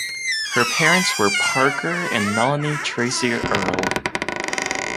Her parents were Parker and Melanie (Tracy) Earle.